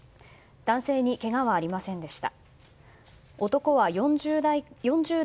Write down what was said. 男性にけがはありませんでした。